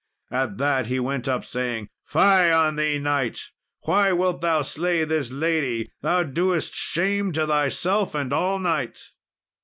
At that he went up, saying, "Fie on thee, knight! why wilt thou slay this lady? Thou doest shame to thyself and all knights."